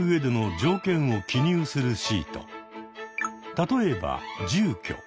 例えば住居。